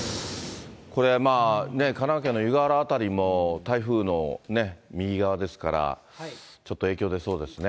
これ、神奈川県の湯河原辺りも、台風の右側ですから、ちょっと影響出そうですね。